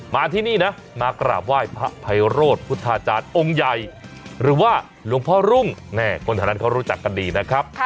มาที่นี่นะมากราบไหว้พระไพโรธพุทธาจารย์องค์ใหญ่หรือว่าหลวงพ่อรุ่งคนแถวนั้นเขารู้จักกันดีนะครับ